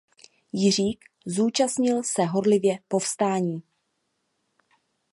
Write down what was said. Jiřík zúčastnil se horlivě povstání.